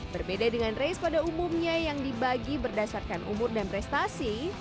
berbeda dengan race pada umumnya yang dibagi berdasarkan umur dan prestasi